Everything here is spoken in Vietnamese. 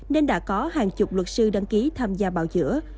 nên đã có hàng chục luật sư đăng ký tham gia bào chữa